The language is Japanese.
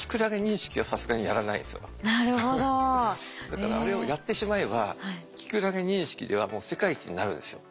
だからあれをやってしまえばキクラゲ認識ではもう世界一になるんですよ。